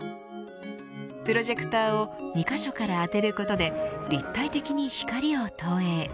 プロジェクターを２カ所から当てることで立体的に光を投影。